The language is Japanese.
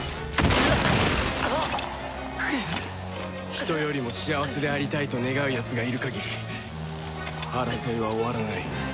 人よりも幸せでありたいと願うやつがいる限り争いは終わらない。